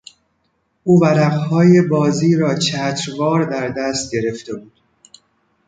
او ورقهای بازی را چتروار در دست گرفته بود.